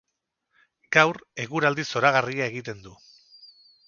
Gaur eguraldi zoragarria egiten du.